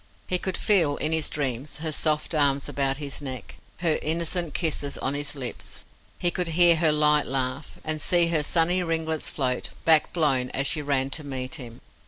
He could feel in his dreams her soft arms about his neck, her innocent kisses on his lips; he could hear her light laugh, and see her sunny ringlets float, back blown, as she ran to meet him.